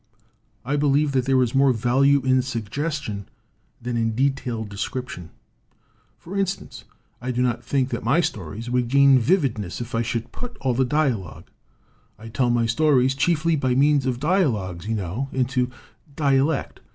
I believe that there is more value in suggestion than in detailed descrip tion. For instance, I do not think that my stories would gain vividness if I should put all the dialogue I tell my stories chiefly by means of dialogues, you know into dialect.